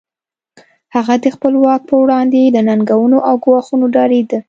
هغه د خپل واک پر وړاندې له ننګونو او ګواښونو ډارېده.